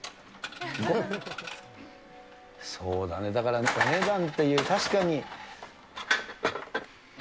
そうだね、だからお値段っていう、確かに。